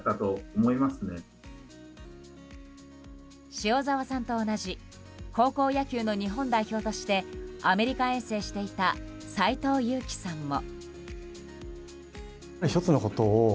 塩澤さんと同じ高校野球の日本代表としてアメリカ遠征していた斎藤佑樹さんも。